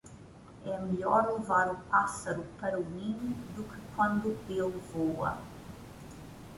É melhor levar o pássaro para o ninho do que quando ele voa.